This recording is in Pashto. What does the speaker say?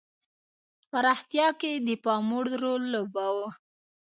پراختیا کې د پاموړ رول لوباوه.